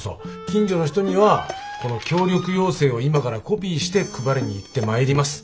近所の人にはこの協力要請を今からコピーして配りに行ってまいります。